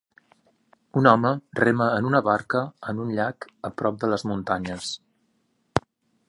Un home rema en una barca en un llac a prop de les muntanyes.